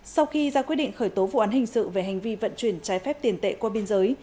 sau khi ra quyết định khởi tố vụ án hình sự về hành vi vận chuyển trái phép tiền tệ qua biên giới